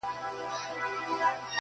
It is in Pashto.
• ګوندي قبول سي خواست د خوارانو -